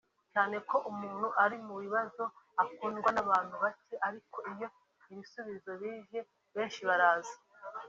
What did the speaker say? cyane ko umuntu ari mu bibazo akundwa n’ abantu bake ariko iyo ibisubizo bije benshi baraza